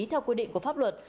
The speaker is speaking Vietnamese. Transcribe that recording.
theo quy định của pháp luật